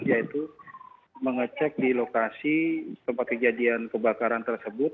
yaitu mengecek di lokasi tempat kejadian kebakaran tersebut